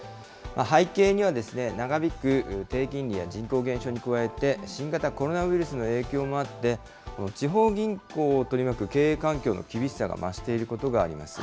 背景には、長引く低金利や人口減少に加えて、新型コロナウイルスの影響もあって、地方銀行を取り巻く経営環境の厳しさが増していることがあります。